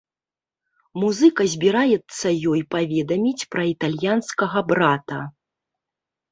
Музыка збіраецца ёй паведаміць пра італьянскага брата.